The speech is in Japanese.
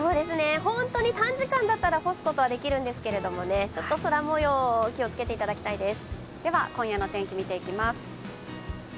本当に短時間だったら干すことはできるんですけれどもちょっと空もよう、気をつけていただきたいです。